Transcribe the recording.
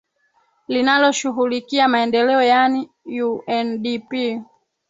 linaloshughulikia maendeleo yaani undp